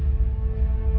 nanti mama ceritain semuanya